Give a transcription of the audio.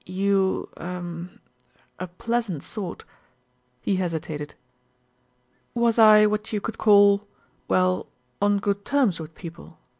"You, er a pleasant sort " he hesitated. "Was I what you could call well, on good terms with people?"